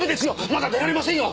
まだ出られませんよ！